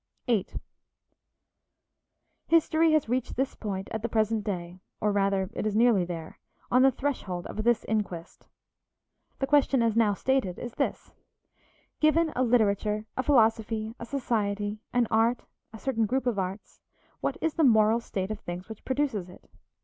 VIII History has reached this point at the present day, or rather it is nearly there, on the threshold of this inquest. The question as now stated is this: Given a literature, a philosophy, a society, an art, a certain group of arts, what is the moral state of things which produces it?